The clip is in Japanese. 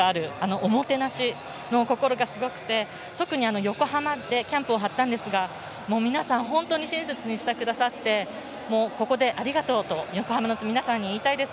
おもてなしの心がすごくて特に横浜でキャンプを張ったんですが皆さん本当に親切にしてくださってここでありがとうと横浜の皆さんに言いたいです。